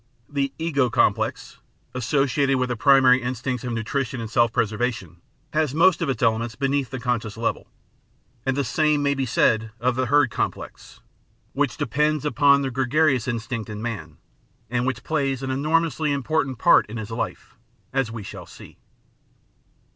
The ego complex, associated with the primary instincts of nutrition and self preservation, has most of its elements beneath the conscious level ; and the same may be said of the herd complex, which depends upon the gregarious instinct in man, and which plays an enormously important part in his life, as we shall see.